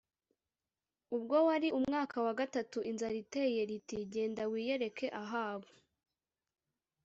ubwo wari umwaka wa gatatu inzara iteye riti “Genda wiyereke Ahabu